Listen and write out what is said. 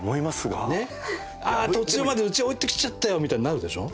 途中までうち置いてきちゃったよみたいになるでしょ。